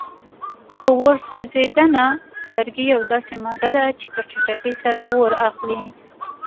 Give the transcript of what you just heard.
په اور سوځېدنه: لرګي یوه داسې ماده ده چې په چټکۍ سره اور اخلي.